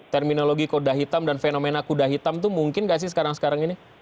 terminologi kuda hitam dan fenomena kuda hitam itu mungkin gak sih sekarang sekarang ini